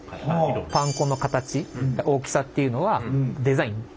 パン粉の形大きさっていうのはデザイン。